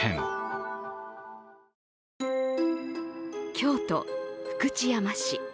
京都・福知山市。